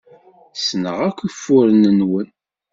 Ssneɣ akk ufuren-nwen.